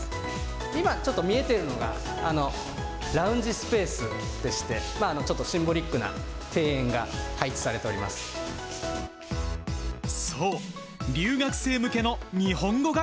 今、ちょっと見えているのが、ラウンジスペースでして、ちょっとシンボリックな庭園が配置されそう、留学生向けの日本語学